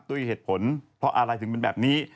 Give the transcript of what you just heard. ด้วยเหตุผลเพราะอะไรถึงเป็นแบบนี้